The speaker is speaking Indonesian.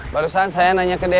barusan saya nanya ke dia